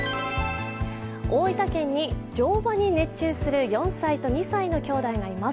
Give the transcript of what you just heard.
大分県に乗馬に熱中する４歳と２歳のきょうだいがいます。